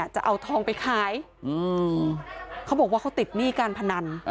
จะเอาทองไปขายเขาบอกว่าเขาติดหนี้การพนัน